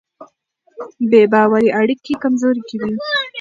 بې باورۍ اړیکې کمزورې کوي.